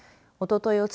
おととい